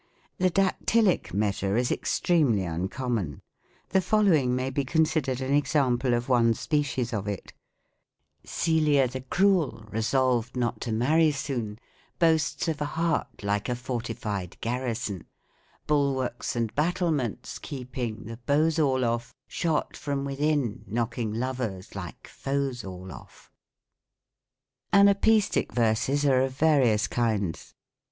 The Dactylic measure is extremely uncommon. The PROSODY. 131 following may be considered an example of one species of it: " Celia the cruel, resolv'd not to marry soon, Boasts of a heart like a fortified garrison, Bulwarlcs and battlements keeping the beaux all off, Shot from within knocking lovers like foes all off." Anapaestic verses are of various kinds.